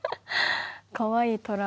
かわいいトラ。